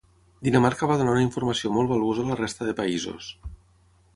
Dinamarca va donar una informació molt valuosa a la resta de països.